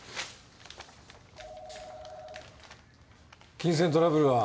金銭トラブルは？